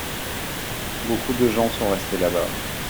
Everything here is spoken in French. Beaucoup de gens sont restés là-bas.